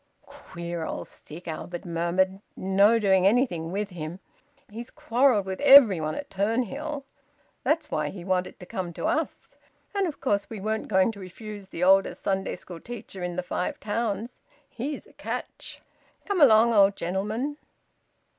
"Queer old stick!" Albert murmured. "No doing anything with him. He's quarrelled with everybody at Turnhill. That's why he wanted to come to us. And of course we weren't going to refuse the oldest Sunday school teacher in th' Five Towns. He's a catch... Come along, old gentleman!"